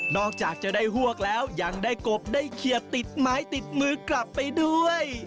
จากจะได้ฮวกแล้วยังได้กบได้เคลียร์ติดไม้ติดมือกลับไปด้วย